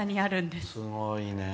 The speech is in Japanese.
すごいね。